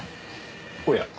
おや？